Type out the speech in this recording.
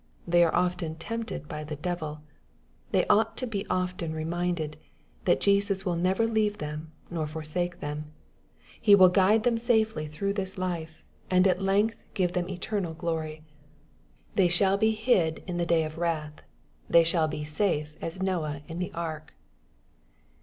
They are often tempted by the devil. They ought to be often reminded, that Jesus will never leave them nor forsake them. He will guide them safely through this life, and at length give them etertal glory. MATTHEW^ CHAP. IH. 21 They shall be hid in the day of wrath. They shall be safe as Noah in the ark.